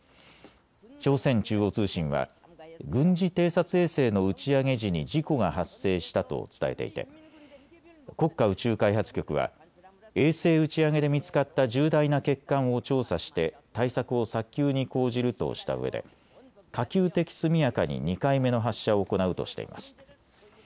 朝鮮中央通信は軍事偵察衛星の打ち上げ時に事故が発生したと伝えていて国家宇宙開発局は衛星打ち上げで見つかった重大な欠陥を調査して対策を早急に講じるとしたうえで可及的速やかに２回目の発射を行うとしています。